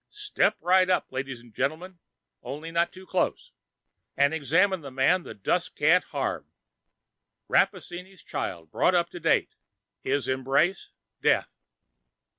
Step right up, ladies and gentlemen only not too close! and examine the man the dust can't harm. Rappaccini's child, brought up to date; his embrace, death!